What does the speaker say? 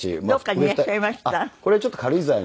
どこかにいらっしゃいました？